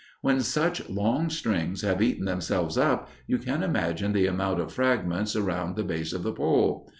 When such long strings have eaten themselves up, you can imagine the amount of fragments around the base of the pole.